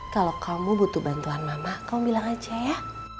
kalau kamu butuh bantuan mama kamu bilang aja ya